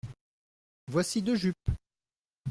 Voici deux jupes.